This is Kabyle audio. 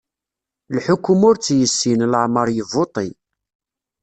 Lḥukuma ur tt-yessin, laɛmer yebbuṭi.